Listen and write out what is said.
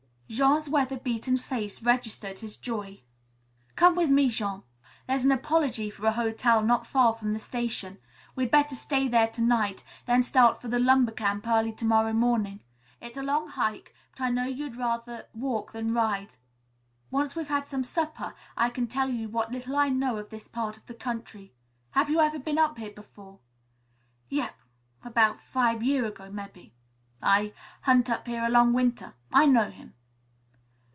Jean's weather beaten face registered his joy. "Come with me, Jean. There's an apology for a hotel not far from the station. We'd better stay there to night, then start for the lumber camp early to morrow morning. It's a long hike, but I know you'd rather walk than ride. Once we've had some supper, I can tell you what little I know of this part of the country. Have you ever been up here before?" "Yep; 'bout five year ago, mebbe. I hunt up here a long winter. I know him."